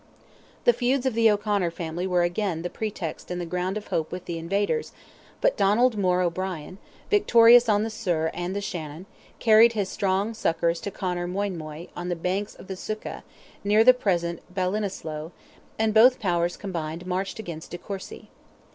The feuds of the O'Conor family were again the pretext and the ground of hope with the invaders, but Donald More O'Brien, victorious on the Suir and the Shannon, carried his strong succours to Conor Moinmoy on the banks of the Suca, near the present Ballinasloe, and both powers combined marched against de Courcy.